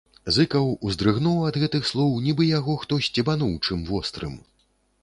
Зыкаў уздрыгнуў ад гэтых слоў, нібы яго хто сцебануў чым вострым.